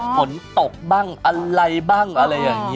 ผลตกบ้างอะไรบ้างอย่างนี้